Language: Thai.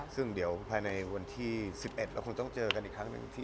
ซึ่งเดี๋ยวภายในวันที่๑๑เราคงต้องเจอกันอีกครั้งหนึ่ง